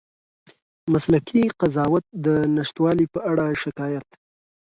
مسلکي قضاوت د نشتوالي په اړه شکایت